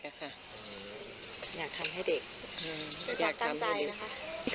อาหารไอศครีมก็ทำมาเป็นนักดำเนิ่งให้ผู้รัก